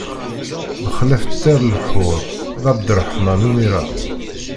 Bexlaf ṭṭir lḥur, d Ɛebderreḥman Umira.